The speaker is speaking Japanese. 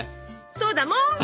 そうだもん！